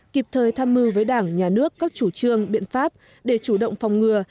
kịp thời tham mưu với đảng nhà nước các chủ trương biện pháp để chủ động phòng ngừa